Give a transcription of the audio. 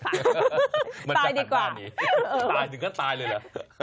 ตายดีกว่ามันจะหันตนาดนี้ตายถึงกระตายเลยหรือ